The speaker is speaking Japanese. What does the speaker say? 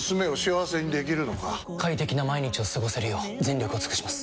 快適な毎日を過ごせるよう全力を尽くします！